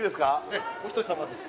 ええお一人様です？